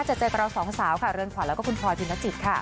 จะเจอกับเราสองสาวค่ะเรือนขวัญแล้วก็คุณพลอยพินจิตค่ะ